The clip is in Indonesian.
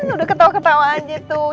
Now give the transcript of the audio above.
udah ketawa ketawa aja tuh